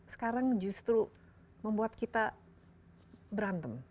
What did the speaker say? sekarang justru membuat kita berantem